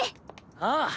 ああ。